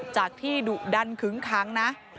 จากที่ดดั้งถึงคั้ง